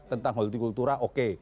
tentang holti kultura oke